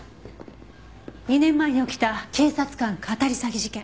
２年前に起きた警察官かたり詐欺事件。